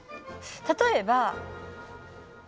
例えば。